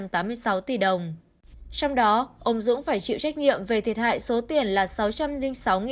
trong đó ông dũng phải chịu trách nhiệm về thiệt hại số tiền là sáu trăm linh sáu bốn trăm sáu mươi tỷ đồng